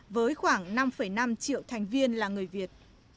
với khoảng năm năm triệu thành viên là người việt